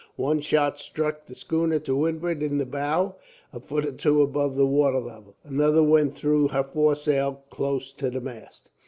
One shot struck the schooner to windward in the bow, a foot or two above the water level. Another went through her foresail, close to the mast.